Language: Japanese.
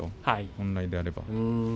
本来であれば。